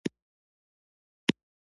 دین تجدید نوي کولو معنا لري.